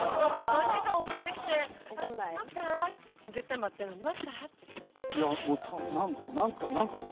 ３時間遅れてきて「待った？」って絶対待ってるのに「待った？」って来て。